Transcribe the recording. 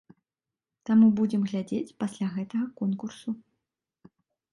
Таму будзем глядзець пасля гэтага конкурсу.